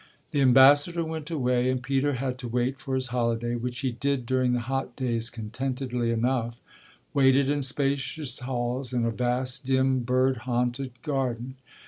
The ambassador went away and Peter had to wait for his own holiday, which he did during the hot days contentedly enough waited in spacious halls and a vast, dim, bird haunted garden.